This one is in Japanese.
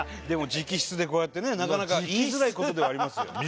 でも直筆でこうやってねなかなか言いづらい事ではありますよ。